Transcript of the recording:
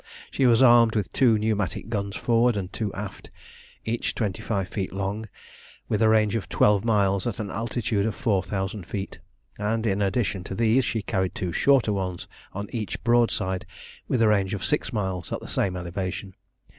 She was armed with two pneumatic guns forward and two aft, each twenty five feet long and with a range of twelve miles at an altitude of four thousand feet; and in addition to these she carried two shorter ones on each broadside, with a range of six miles at the same elevation.